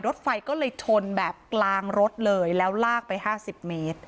รถไฟก็เลยชนแบบกลางรถเลยแล้วลากไป๕๐เมตร